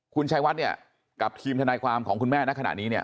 คุณชัยวัดกับทีมทนายความของคุณแม่ณขณะนี้